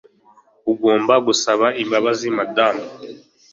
Ugomba gusaba imbabazi Madamu